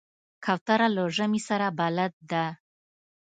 کوتره له ژمي سره بلد ده.